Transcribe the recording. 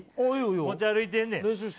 持ち歩いてんねん。